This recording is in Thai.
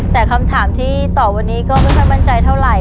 แต่คำถามที่ตอบวันนี้ก็ไม่ค่อยมั่นใจเท่าไหร่